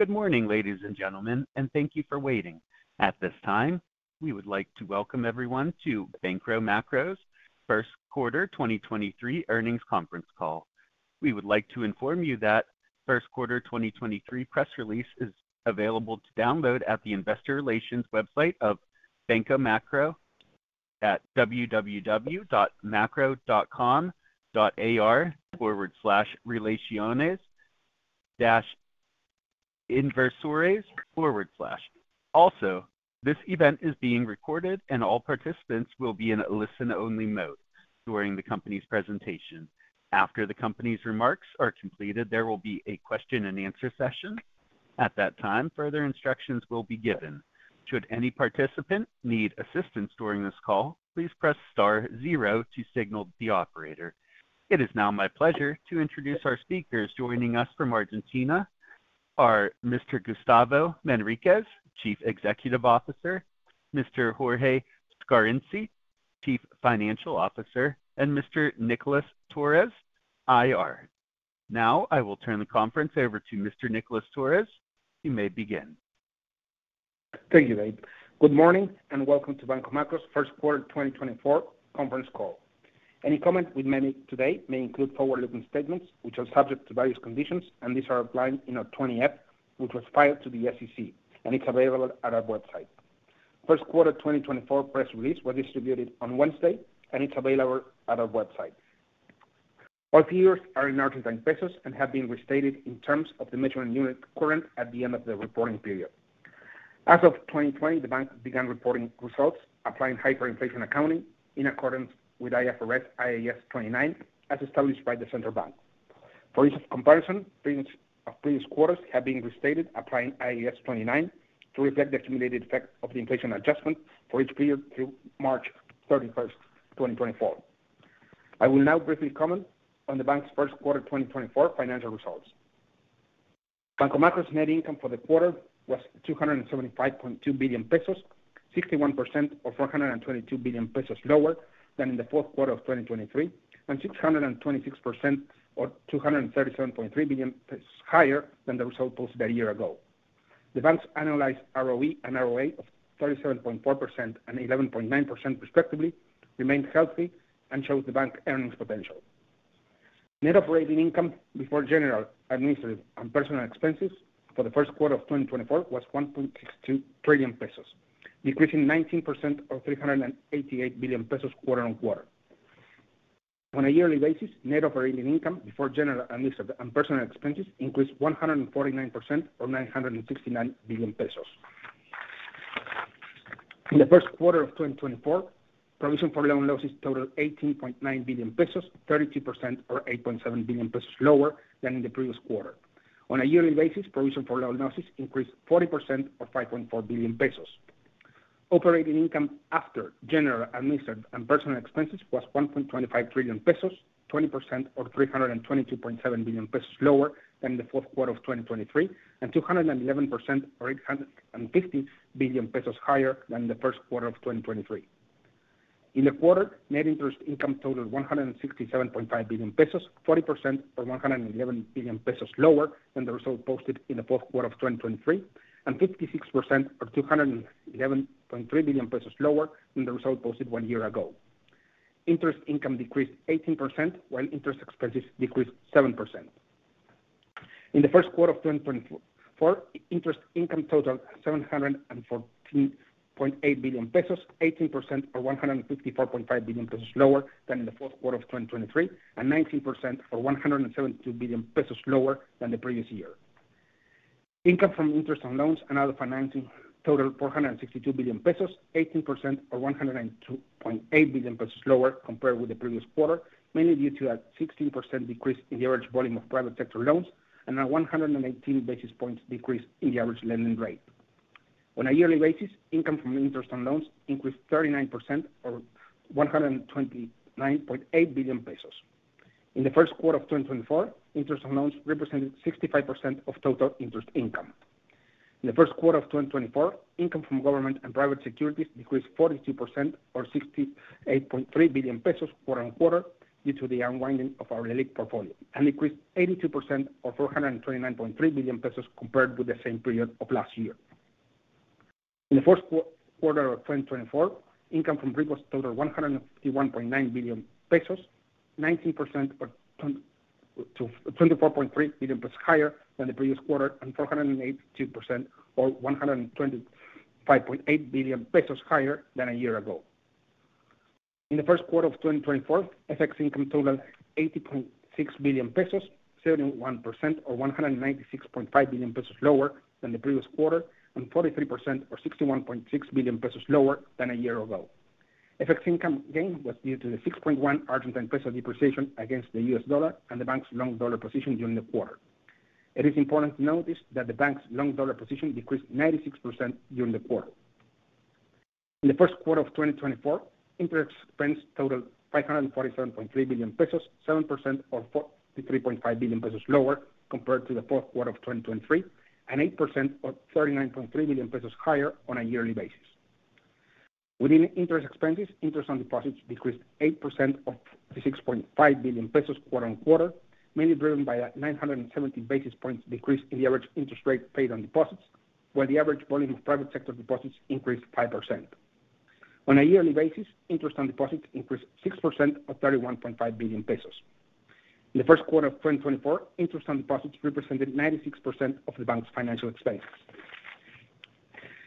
Good morning, ladies and gentlemen, and thank you for waiting. At this time, we would like to welcome everyone to Banco Macro's first quarter 2023 earnings conference call. We would like to inform you that first quarter 2023 press release is available to download at the Investor Relations website of Banco Macro at www.macro.com.ar/relaciones-inversores/. Also, this event is being recorded, and all participants will be in a listen-only mode during the company's presentation. After the company's remarks are completed, there will be a question and answer session. At that time, further instructions will be given. Should any participant need assistance during this call, please press star zero to signal the operator. It is now my pleasure to introduce our speakers. Joining us from Argentina are Mr. Gustavo Manriquez, Chief Executive Officer, Mr. Jorge Scarinci, Chief Financial Officer, and Mr. Nicolás Torres, IR. Now I will turn the conference over to Mr. Nicolás Torres. You may begin. Thank you, Dave. Good morning, and welcome to Banco Macro's first quarter 2024 conference call. Any comment we make today may include forward-looking statements which are subject to various conditions, and these are outlined in our 20-F, which was filed to the SEC, and it's available at our website. First quarter 2024 press release was distributed on Wednesday, and it's available at our website. All figures are in Argentine pesos and have been restated in terms of the measured unit current at the end of the reporting period. As of 2020, the bank began reporting results, applying hyperinflation accounting in accordance with IFRS IAS 29, as established by the Central Bank. For ease of comparison, previous, previous quarters have been restated applying IAS 29 to reflect the accumulated effect of the inflation adjustment for each period through March 31, 2024. I will now briefly comment on the bank's first quarter 2024 financial results. Banco Macro's net income for the quarter was 275.2 billion pesos, 61% or 422 billion pesos lower than in the fourth quarter of 2023, and 626%, or 237.3 billion higher than the result posted a year ago. The bank's analyzed ROE and ROA of 37.4% and 11.9%, respectively, remain healthy and shows the bank earnings potential. Net operating income before general, administrative, and personnel expenses for the first quarter of 2024 was 1.62 trillion pesos, decreasing 19% or 388 billion pesos quarter-on-quarter. On a yearly basis, net operating income before general, administrative, and personnel expenses increased 149%, or 969 billion pesos. In the first quarter of 2024, provision for loan losses totaling 18.9 billion pesos, 32% or 8 billion pesos lower than in the previous quarter. On a yearly basis, provision for loan losses increased 40%, or 5.4 billion pesos. Operating income after general, administrative, and personnel expenses was 1.25 trillion pesos, 20% or 322.7 billion pesos lower than the fourth quarter of 2023, and 211% or 850 billion pesos higher than the first quarter of 2023. In the quarter, net interest income totaled 167.5 billion pesos, 40%, or 111 billion pesos lower than the result posted in the fourth quarter of 2023, and 56%, or 211.3 billion pesos lower than the result posted one year ago. Interest income decreased 18%, while interest expenses decreased 7%. In the first quarter of 2024, interest income totaled 714.8 billion pesos, 18%, or 154.5 billion pesos lower than in the fourth quarter of 2023, and 19%, or 172 billion pesos lower than the previous year. Income from interest on loans and other financing totaled 462 billion pesos, 18%, or 102.8 billion pesos lower compared with the previous quarter, mainly due to a 16% decrease in the average volume of private sector loans and a 118 basis points decrease in the average lending rate. On a yearly basis, income from interest on loans increased 39%, or 129.8 billion pesos. In the first quarter of 2024, interest on loans represented 65% of total interest income. In the first quarter of 2024, income from government and private securities decreased 42%, or 68.3 billion pesos quarter-over-quarter, due to the unwinding of our Leliq portfolio, and increased 82%, or 429.3 billion pesos compared with the same period of last year. In the first quarter of 2024, income from Repos totaled 151.9 billion pesos, 19% or 24.3 billion pesos higher than the previous quarter, and 482%, or 125.8 billion pesos higher than a year ago. In the first quarter of 2024, FX income totaled 80.6 billion pesos, 31%, or 196.5 billion pesos lower than the previous quarter, and 43%, or 61.6 billion pesos lower than a year ago. FX income gain was due to the 6.1 Argentine peso depreciation against the US dollar and the bank's long dollar position during the quarter. It is important to notice that the bank's long dollar position decreased 96% during the quarter. In the first quarter of 2024, interest expense totaled 547.3 billion pesos, 7%, or 43.5 billion pesos lower compared to the fourth quarter of 2023, and 8% or 39.3 billion pesos higher on a yearly basis.... Within interest expenses, interest on deposits decreased 8% of the 6.5 billion pesos quarter-on-quarter, mainly driven by a 970 basis points decrease in the average interest rate paid on deposits, while the average volume of private sector deposits increased 5%. On a year-over-year basis, interest on deposits increased 6% of 31.5 billion pesos. In the first quarter of 2024, interest on deposits represented 96% of the bank's financial expenses.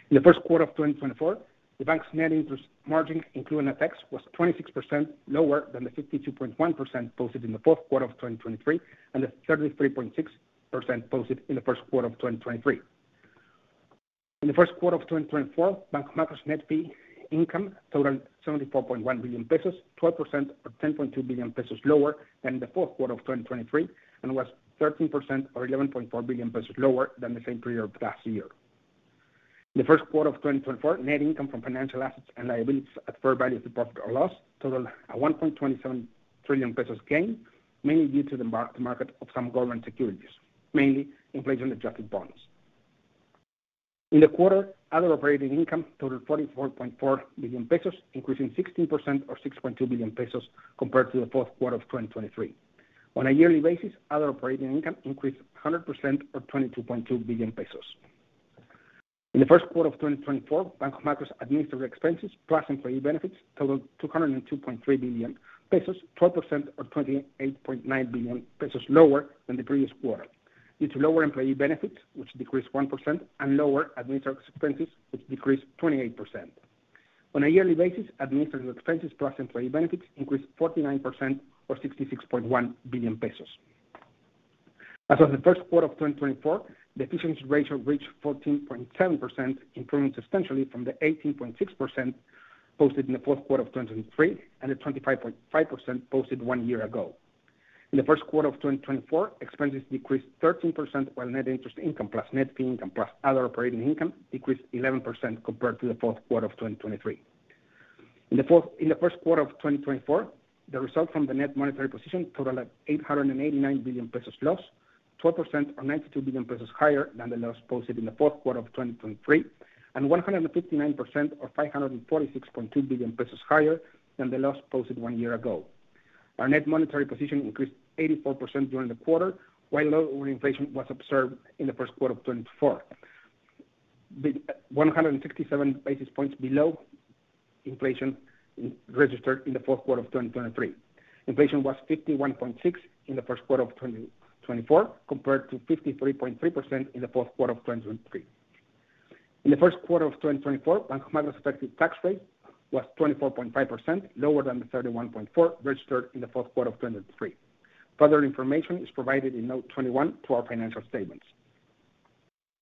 In the first quarter of 2024, the bank's net interest margin, including FX, was 26% lower than the 52.1% posted in the fourth quarter of 2023, and the 33.6% posted in the first quarter of 2023. In the first quarter of 2024, Banco Macro's net fee income totaled 74.1 billion pesos, 12% or 10.2 billion pesos lower than the fourth quarter of 2023, and was 13% or 11.4 billion pesos lower than the same period of last year. In the first quarter of 2024, net income from financial assets and liabilities at fair value through profit or loss totaled 1.27 trillion pesos gain, mainly due to the mark-to-market of some government securities, mainly inflation-adjusted bonds. In the quarter, other operating income totaled 44.4 billion pesos, increasing 16% or 6.2 billion pesos compared to the fourth quarter of 2023. On a yearly basis, other operating income increased 100% or 22.2 billion pesos. In the first quarter of 2024, Banco Macro's administrative expenses, plus employee benefits, totaled 202.3 billion pesos, 12% or 28.9 billion pesos lower than the previous quarter, due to lower employee benefits, which decreased 1%, and lower administrative expenses, which decreased 28%. On a yearly basis, administrative expenses, plus employee benefits, increased 49% or 66.1 billion pesos. As of the first quarter of 2024, the efficiency ratio reached 14.7%, improving substantially from the 18.6% posted in the fourth quarter of 2023 and the 25.5% posted one year ago. In the first quarter of 2024, expenses decreased 13%, while net interest income, plus net fee income, plus other operating income, decreased 11% compared to the fourth quarter of 2023. In the first quarter of 2024, the result from the net monetary position totaled 889 billion pesos loss, 12% or 92 billion pesos higher than the loss posted in the fourth quarter of 2023, and 159% or 546.2 billion pesos higher than the loss posted one year ago. Our net monetary position increased 84% during the quarter, while low inflation was observed in the first quarter of 2024, one hundred and sixty-seven basis points below inflation registered in the fourth quarter of 2023. Inflation was 51.6% in the first quarter of 2024, compared to 53.3% in the fourth quarter of 2023. In the first quarter of 2024, Banco Macro's effective tax rate was 24.5%, lower than the 31.4 registered in the fourth quarter of 2023. Further information is provided in Note 21 to our financial statements.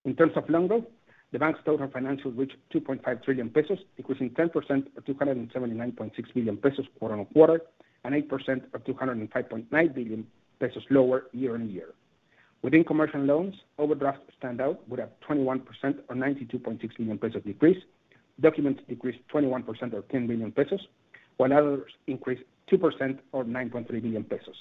In terms of loan growth, the bank's total financing reached 2.5 trillion pesos, increasing 10% or 279.6 billion pesos quarter-on-quarter, and 8% or 205.9 billion pesos lower year-on-year. Within commercial loans, overdrafts stand out with a 21% or 92.6 billion pesos decrease. Documents decreased 21% or 10 billion pesos, while others increased 2% or 9.3 billion pesos.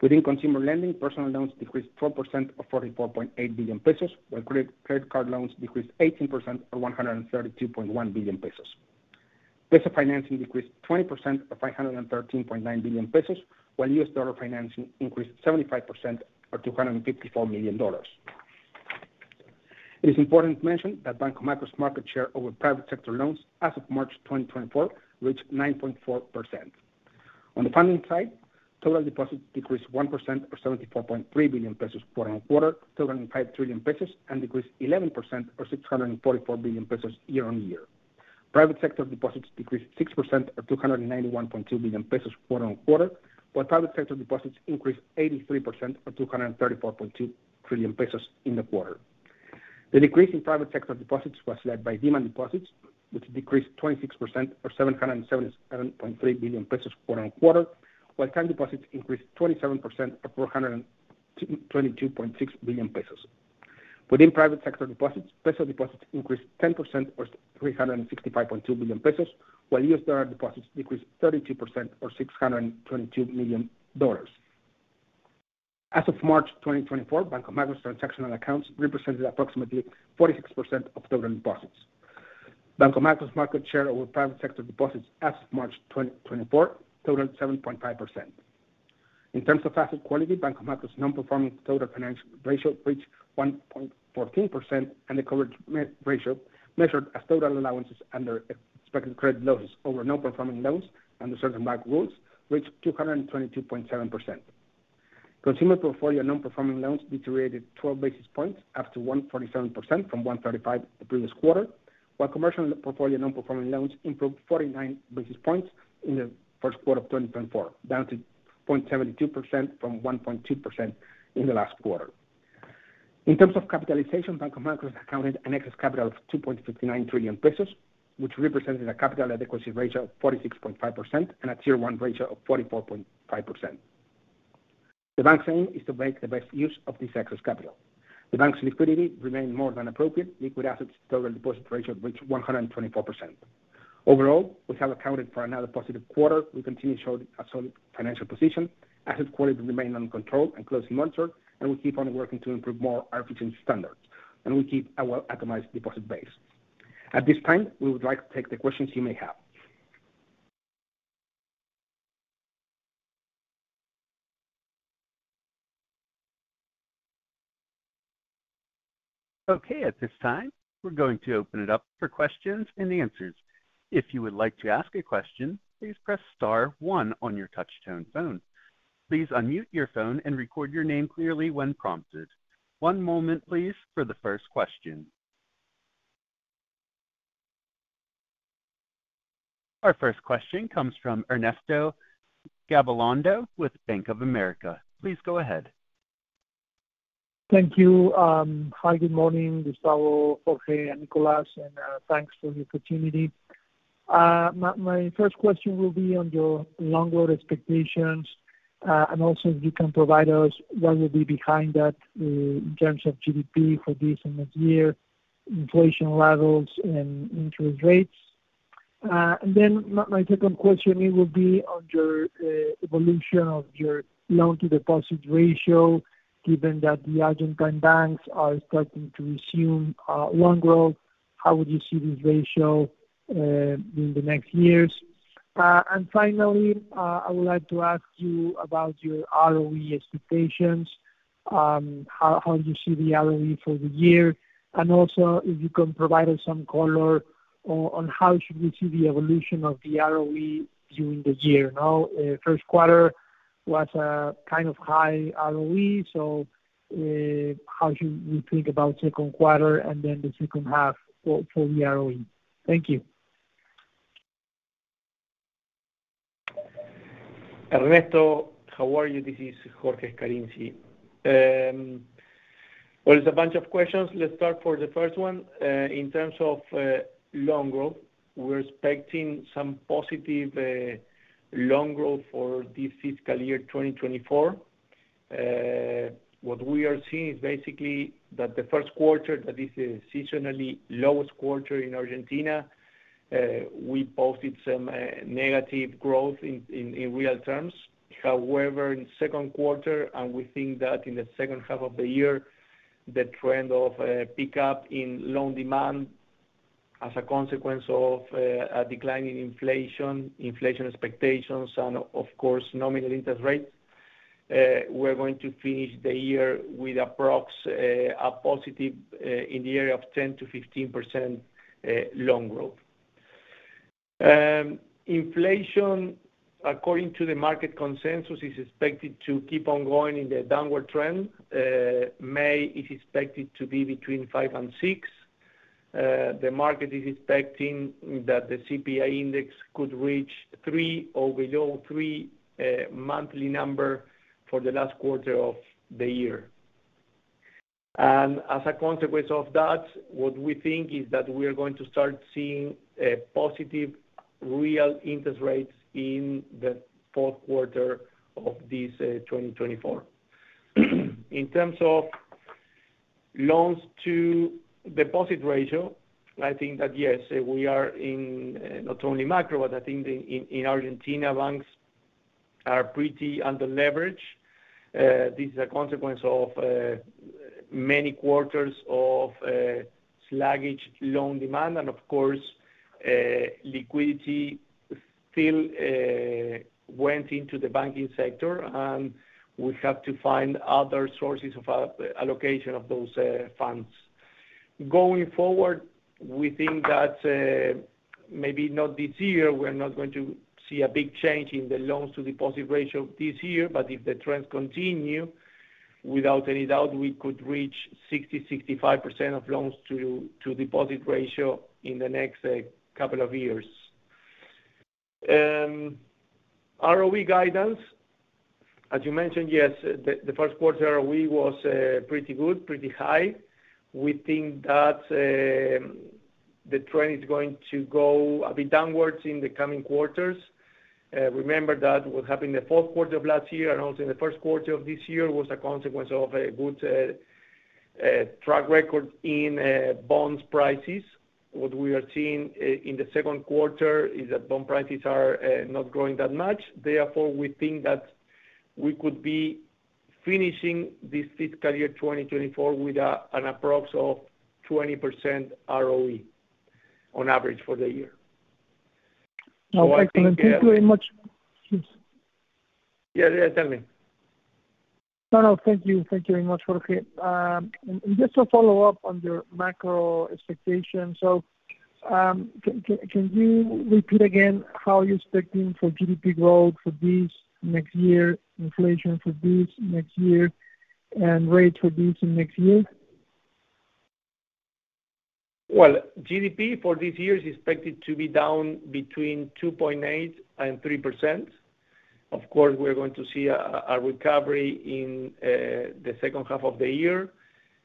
Within consumer lending, personal loans decreased 12% or 44.8 billion pesos, while credit card loans decreased 18% or 132.1 billion pesos. Peso financing decreased 20% or 513.9 billion pesos, while US dollar financing increased 75% or $254 million. It is important to mention that Banco Macro's market share over private sector loans as of March 2024, reached 9.4%. On the funding side, total deposits decreased 1% or 74.3 billion pesos quarter-on-quarter, to 205 trillion pesos, and decreased 11% or 644 billion pesos year-on-year. Private sector deposits decreased 6% or 291.2 billion pesos quarter-on-quarter, while private sector deposits increased 83% or 234.2 trillion pesos in the quarter. The decrease in private sector deposits was led by demand deposits, which decreased 26% or 777.3 billion pesos quarter-on-quarter, while time deposits increased 27% or 422.6 billion pesos. Within private sector deposits, peso deposits increased 10% or 365.2 billion pesos, while US dollar deposits decreased 32% or $622 million. As of March 2024, Banco Macro's transactional accounts represented approximately 46% of total deposits. Banco Macro's market share over private sector deposits as of March 2024 totaled 7.5%. In terms of asset quality, Banco Macro's non-performing total financial ratio reached 1.14%, and the coverage ratio, measured as total allowances under expected credit losses over non-performing loans under Central bank rules, reached 222.7%. Consumer portfolio non-performing loans deteriorated 12 basis points up to 1.7% from 1.35% the previous quarter, while commercial portfolio non-performing loans improved 49 basis points in the first quarter of 2024, down to 0.72% from 1.2% in the last quarter. In terms of capitalization, Banco Macro has accounted an excess capital of 2.59 trillion pesos, which represented a capital adequacy ratio of 46.5% and a Tier 1 ratio of 44.5%. The bank's aim is to make the best use of this excess capital. The bank's liquidity remained more than appropriate. Liquid assets to total deposit ratio reached 124%. Overall, we have accounted for another positive quarter. We continue to show a solid financial position. Asset quality remain under control and closely monitored, and we keep on working to improve more our efficiency standards, and we keep our well-automized deposit base. At this time, we would like to take the questions you may have. Okay, at this time, we're going to open it up for questions and answers. If you would like to ask a question, please press star one on your touchtone phone. Please unmute your phone and record your name clearly when prompted. One moment, please, for the first question. Our first question comes from Ernesto Gabilondo with Bank of America. Please go ahead. Thank you. Hi, good morning, Gustavo, Jorge, and Nicolás, and thanks for the opportunity. My first question will be on your loan expectations, and also if you can provide us what will be behind that, in terms of GDP for this and next year, inflation levels and interest rates. And then my second question will be on your evolution of your loan-to-deposit ratio. Given that the Argentine banks are starting to resume loan growth, how would you see this ratio in the next years? And finally, I would like to ask you about your ROE expectations. How you see the ROE for the year, and also if you can provide us some color on how should we see the evolution of the ROE during the year? Now, first quarter was a kind of high ROE, so, how should we think about second quarter and then the second half for, for the ROE? Thank you. Ernesto, how are you? This is Jorge Scarinci. Well, it's a bunch of questions. Let's start for the first one. In terms of loan growth, we're expecting some positive loan growth for this fiscal year 2024. What we are seeing is basically that the first quarter, that is a seasonally lowest quarter in Argentina, we posted some negative growth in real terms. However, in second quarter, and we think that in the second half of the year, the trend of pick up in loan demand as a consequence of a decline in inflation, inflation expectations, and of course, nominal interest rates, we're going to finish the year with approximately a positive in the area of 10%-15% loan growth. Inflation, according to the market consensus, is expected to keep on going in the downward trend. May is expected to be between 5 and 6. The market is expecting that the CPI index could reach 3 or below 3, monthly number for the last quarter of the year. And as a consequence of that, what we think is that we are going to start seeing positive real interest rates in the fourth quarter of 2024. In terms of loans to deposit ratio, I think that, yes, we are in not only Macro, but I think in Argentina, banks are pretty under leverage. This is a consequence of many quarters of sluggish loan demand, and of course, liquidity still went into the banking sector, and we have to find other sources of allocation of those funds. Going forward, we think that, maybe not this year, we're not going to see a big change in the loans to deposit ratio this year, but if the trends continue, without any doubt, we could reach 60-65% loans to deposit ratio in the next couple of years. ROE guidance, as you mentioned, yes, the first quarter ROE was pretty good, pretty high. We think that the trend is going to go a bit downwards in the coming quarters. Remember that what happened in the fourth quarter of last year and also in the first quarter of this year was a consequence of a good track record in bonds prices. What we are seeing in the second quarter is that bond prices are not growing that much. Therefore, we think that we could be finishing this fiscal year, 2024, with an approx of 20% ROE on average for the year. Okay. Thank you very much. Yeah. Yeah, tell me. No, no. Thank you. Thank you very much, Jorge. Just to follow up on your macro expectations. Can you repeat again how you're expecting for GDP growth for this next year, inflation for this next year, and rates for this next year? Well, GDP for this year is expected to be down between 2.8% and 3%. Of course, we're going to see a recovery in the second half of the year.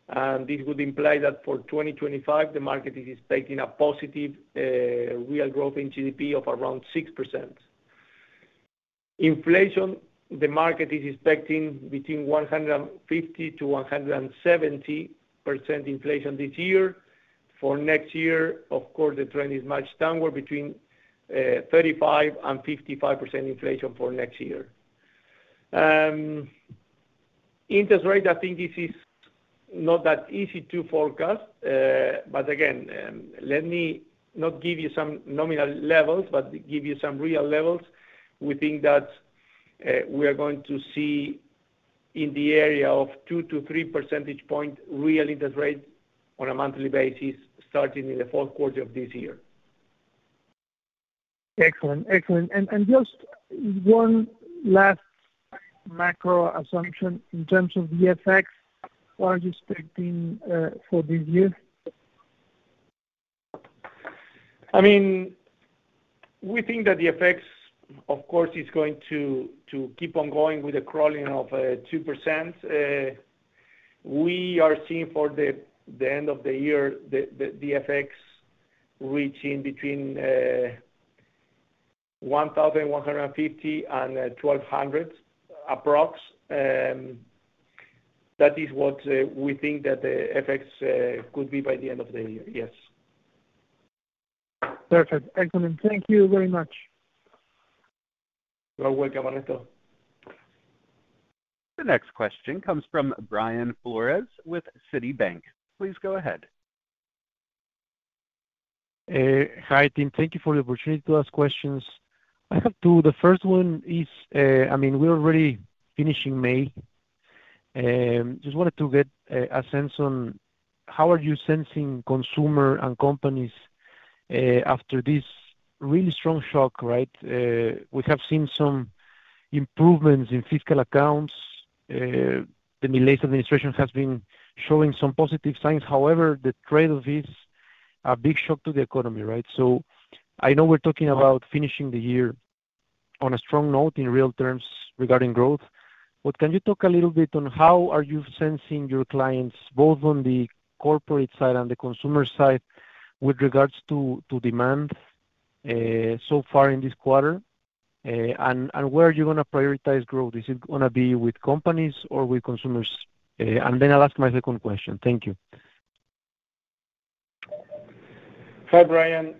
And this would imply that for 2025, the market is expecting a positive real growth in GDP of around 6%. Inflation, the market is expecting between 150% to 170% inflation this year. For next year, of course, the trend is much downward, between 35% and 55% inflation for next year. Interest rate, I think this is not that easy to forecast. But again, let me not give you some nominal levels, but give you some real levels. We think that we are going to see in the area of 2-3 percentage point real interest rate on a monthly basis, starting in the fourth quarter of this year. Excellent. Excellent. And just one last macro assumption, in terms of the effects, what are you expecting for this year? I mean, we think that the effects, of course, is going to keep on going with a crawling of 2%. We are seeing for the end of the year, the FX reaching between 1,150 and 1,200 approx. That is what we think that the effects could be by the end of the year. Yes. Perfect. Excellent. Thank you very much. You're welcome, Alberto. The next question comes from Brian Flores with Citibank. Please go ahead. Hi, team. Thank you for the opportunity to ask questions. I have two. The first one is, I mean, we're already finishing May. Just wanted to get a sense on how are you sensing consumer and companies after this really strong shock, right? We have seen some improvements in fiscal accounts. The Milei administration has been showing some positive signs. However, the trade-off is a big shock to the economy, right? So I know we're talking about finishing the year on a strong note in real terms regarding growth, but can you talk a little bit on how are you sensing your clients, both on the corporate side and the consumer side, with regards to demand so far in this quarter? And where are you gonna prioritize growth? Is it gonna be with companies or with consumers? Then I'll ask my second question. Thank you. Hi, Brian.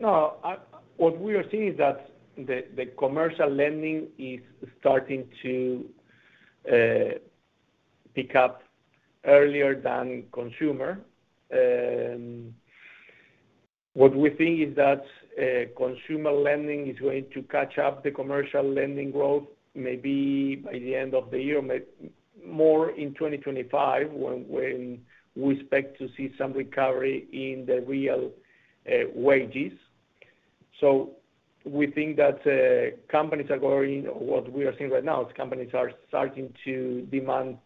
Now, what we are seeing is that the commercial lending is starting to pick up earlier than consumer. What we think is that consumer lending is going to catch up the commercial lending growth, maybe by the end of the year, more in 2025, when we expect to see some recovery in the real wages. So we think that companies are going. What we are seeing right now is companies are starting to demand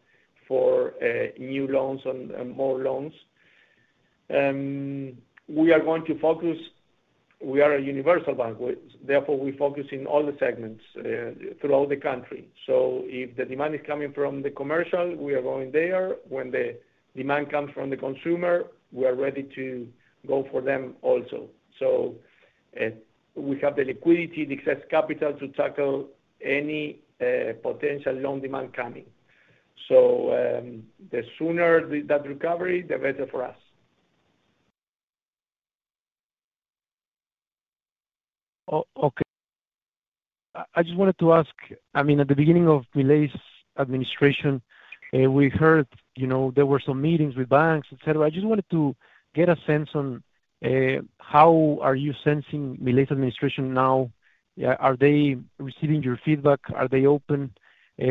for new loans and more loans. We are going to focus. We are a universal bank, therefore, we focus in all the segments throughout the country. So if the demand is coming from the commercial, we are going there. When the demand comes from the consumer, we are ready to go for them also. We have the liquidity, the excess capital to tackle any potential loan demand coming. The sooner that recovery, the better for us. Oh, okay. I, I just wanted to ask, I mean, at the beginning of Milei's administration, we heard, you know, there were some meetings with banks, et cetera. I just wanted to get a sense on how are you sensing Milei's administration now? Are they receiving your feedback? Are they open?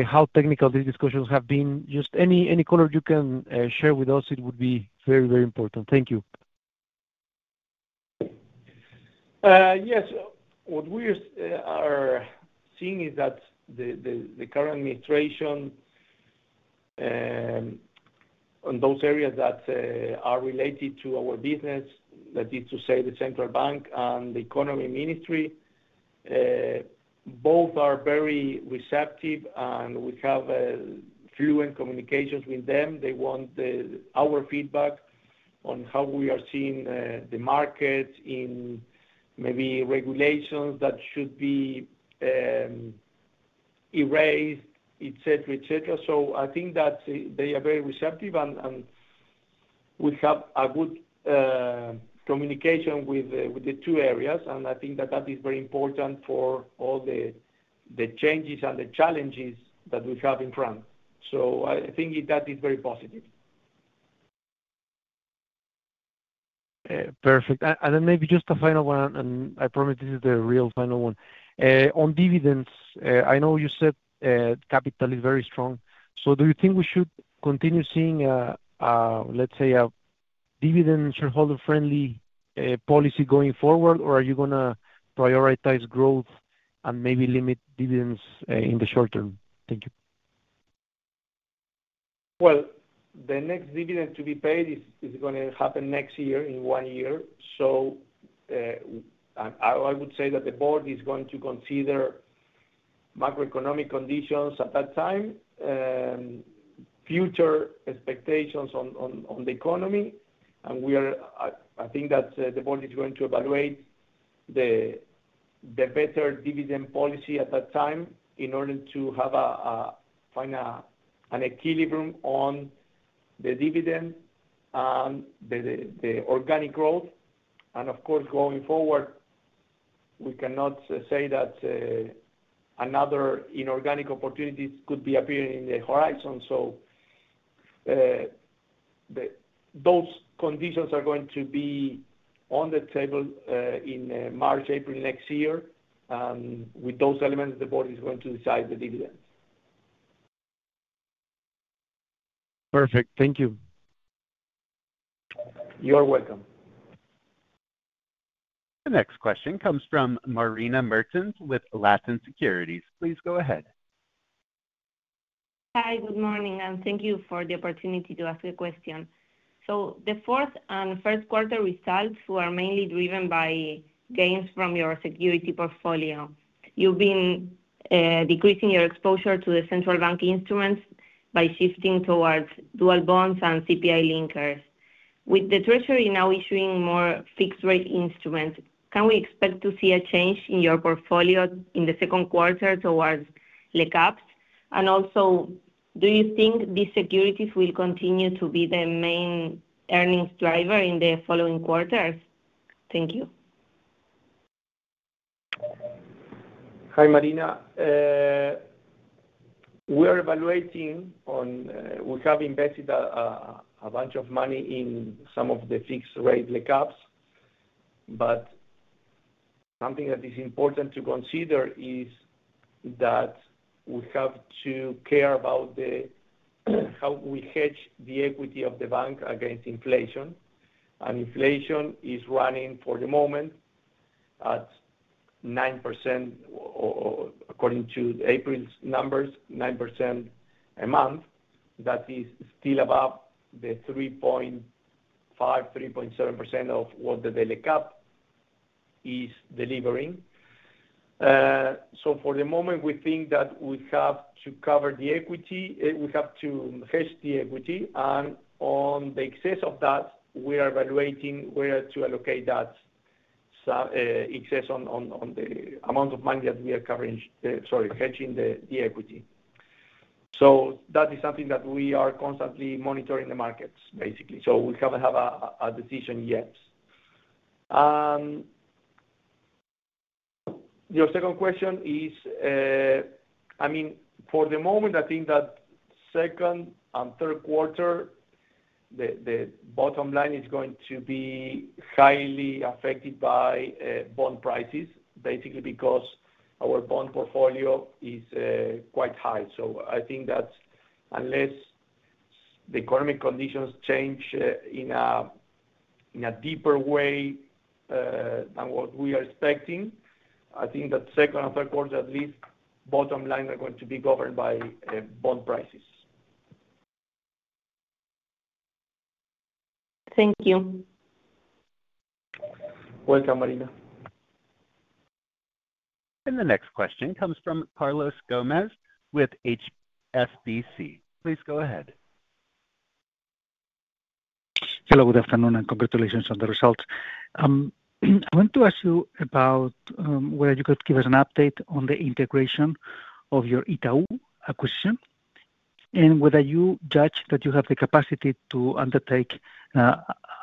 How technical these discussions have been? Just any, any color you can share with us, it would be very, very important. Thank you. Yes. What we are seeing is that the current administration, on those areas that are related to our business, that is to say, the central bank and the economy ministry, both are very receptive, and we have fluent communications with them. They want our feedback on how we are seeing the market in maybe regulations that should be erased, et cetera, et cetera. So I think that they are very receptive, and we have a good communication with the two areas, and I think that that is very important for all the changes and the challenges that we have in front. So I think that is very positive. Perfect. And then maybe just a final one, and I promise this is the real final one. On dividends, I know you said capital is very strong. So do you think we should continue seeing, let's say, a dividend shareholder-friendly policy going forward, or are you gonna prioritize growth and maybe limit dividends in the short term? Thank you. Well, the next dividend to be paid is gonna happen next year, in one year. So, I would say that the board is going to consider macroeconomic conditions at that time, future expectations on the economy. And we are- I think that, the board is going to evaluate the better dividend policy at that time in order to have a find an equilibrium on the dividend and the organic growth. And of course, going forward- we cannot say that, another inorganic opportunities could be appearing in the horizon. So, those conditions are going to be on the table, in March, April next year. And with those elements, the board is going to decide the dividends. Perfect. Thank you. You're welcome. The next question comes from Marina Mertens with Latin Securities. Please go ahead. Hi, good morning, and thank you for the opportunity to ask a question. So the fourth and first quarter results were mainly driven by gains from your securities portfolio. You've been decreasing your exposure to the central bank instruments by shifting towards dual bonds and CPI linkers. With the Treasury now issuing more fixed rate instruments, can we expect to see a change in your portfolio in the second quarter towards LECAPS? And also, do you think these securities will continue to be the main earnings driver in the following quarters? Thank you. Hi, Marina. We are evaluating on. We have invested a bunch of money in some of the fixed rate LECAPS, but something that is important to consider is that we have to care about the, how we hedge the equity of the bank against inflation. And inflation is running for the moment at 9% or according to April's numbers, 9% a month. That is still above the 3.5-3.7% of what the LECAP is delivering. So for the moment, we think that we have to cover the equity, we have to hedge the equity, and on the excess of that, we are evaluating where to allocate that excess on the amount of money that we are covering, hedging the equity. So that is something that we are constantly monitoring the markets, basically, so we haven't have a decision yet. Your second question is, I mean, for the moment, I think that second and third quarter, the bottom line is going to be highly affected by bond prices, basically because our bond portfolio is quite high. So I think that unless the economic conditions change in a deeper way than what we are expecting, I think that second and third quarter, at least, bottom line, are going to be governed by bond prices. Thank you. Welcome, Marina. The next question comes from Carlos Gomez with HSBC. Please go ahead. Hello, good afternoon, and congratulations on the results. I want to ask you about whether you could give us an update on the integration of your Itaú acquisition, and whether you judge that you have the capacity to undertake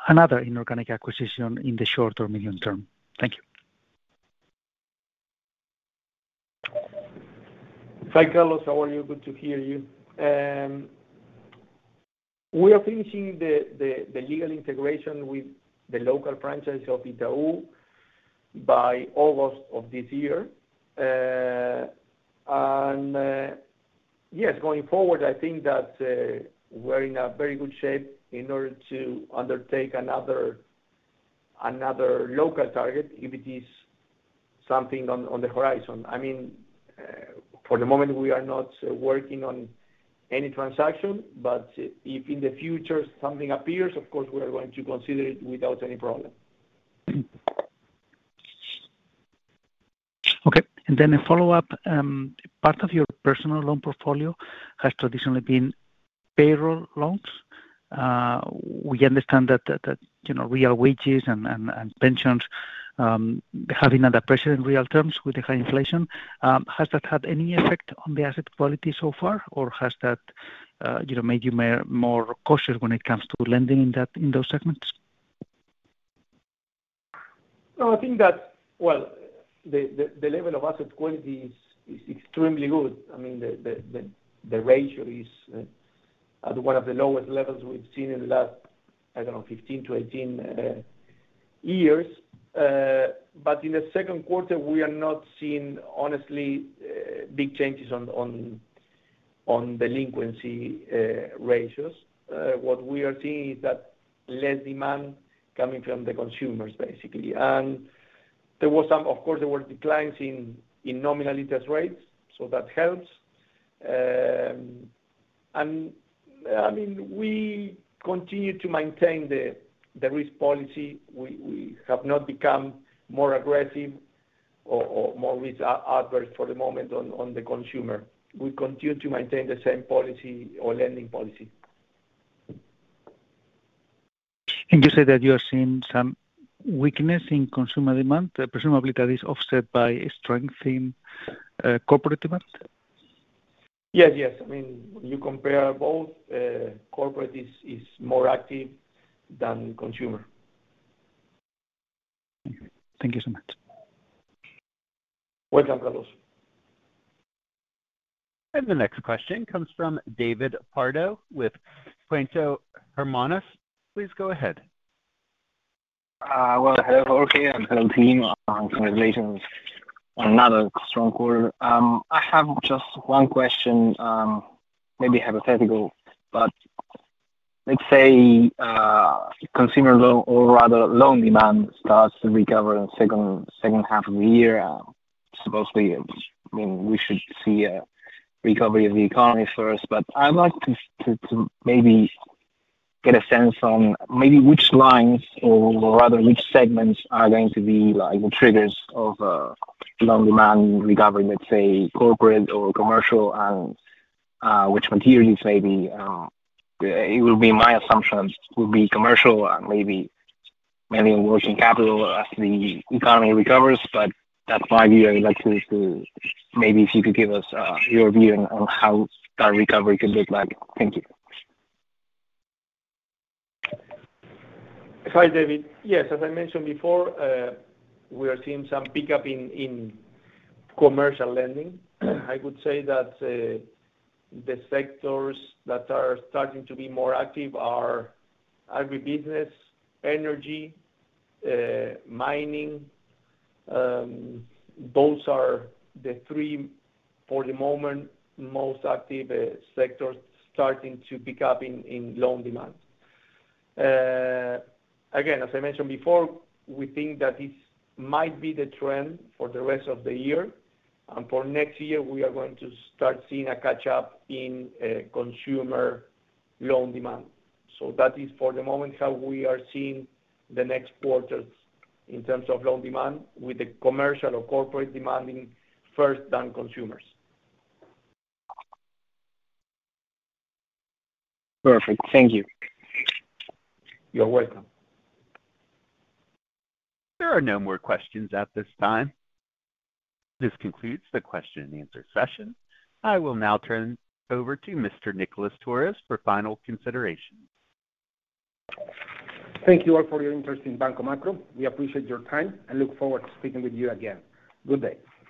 another inorganic acquisition in the short or medium term. Thank you. Hi, Carlos. How are you? Good to hear you. We are finishing the legal integration with the local franchise of Itaú by August of this year. And yes, going forward, I think that we're in a very good shape in order to undertake another local target if it is something on the horizon. I mean, for the moment, we are not working on any transaction, but if in the future something appears, of course, we are going to consider it without any problem. Okay. Then a follow-up, part of your personal loan portfolio has traditionally been payroll loans. We understand that you know real wages and pensions having under pressure in real terms with the high inflation. Has that had any effect on the asset quality so far, or has that you know made you more cautious when it comes to lending in those segments? No, I think that, well, the level of asset quality is extremely good. I mean, the ratio is at one of the lowest levels we've seen in the last, I don't know, 15-18 years. But in the second quarter, we are not seeing, honestly, big changes on delinquency ratios. What we are seeing is that less demand coming from the consumers, basically. And there was some—of course, there were declines in nominal interest rates, so that helps. And, I mean, we continue to maintain the risk policy. We have not become more aggressive or more risk-averse for the moment on the consumer. We continue to maintain the same policy or lending policy. You said that you are seeing some weakness in consumer demand, presumably that is offset by strength in corporate demand?... Yes, yes. I mean, you compare both, corporate is more active than consumer. Thank you. Thank you so much. Welcome, Carlos. The next question comes from David Pardo with Puente Hermanos. Please go ahead. Well, hello, Jorge, and hello, team, and congratulations on another strong quarter. I have just one question, maybe hypothetical, but let's say, consumer loan or rather, loan demand starts to recover in second half of the year. Supposedly, I mean, we should see a recovery of the economy first, but I'd like to maybe get a sense on maybe which lines or rather, which segments are going to be like the triggers of loan demand recovery, let's say, corporate or commercial, and which materials maybe, it will be my assumption, will be commercial and maybe mainly working capital as the economy recovers. But that's why I'd like to maybe if you could give us your view on how that recovery could look like. Thank you. Hi, David. Yes, as I mentioned before, we are seeing some pickup in commercial lending. I would say that the sectors that are starting to be more active are agribusiness, energy, mining. Those are the three, for the moment, most active sectors starting to pick up in loan demand. Again, as I mentioned before, we think that this might be the trend for the rest of the year. And for next year, we are going to start seeing a catch-up in consumer loan demand. So that is, for the moment, how we are seeing the next quarters in terms of loan demand, with the commercial or corporate demanding first, then consumers. Perfect. Thank you. You're welcome. There are no more questions at this time. This concludes the question and answer session. I will now turn over to Mr. Nicolás Torres for final considerations. Thank you all for your interest in Banco Macro. We appreciate your time and look forward to speaking with you again. Good day.